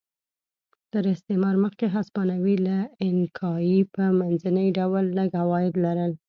تر استعمار مخکې هسپانوي له اینکایي په منځني ډول لږ عواید لرل.